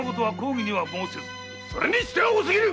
それにしては多すぎる‼